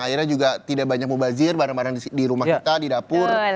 akhirnya juga tidak banyak mubazir bareng bareng di rumah kita di dapur